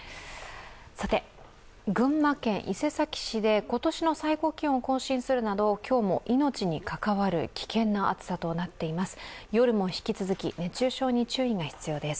群馬県伊勢崎市で今年の最高気温を更新するなど今日も命に関わる危険な暑さとなっています。